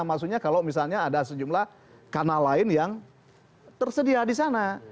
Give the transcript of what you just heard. maksudnya kalau misalnya ada sejumlah kanal lain yang tersedia di sana